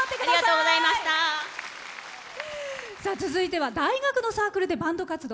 続いては大学のサークルでバンド活動。